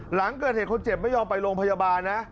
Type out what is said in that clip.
หลังเกิดเหตุคนเจ็บไม่ยอมไปโรงพยาบาลนะ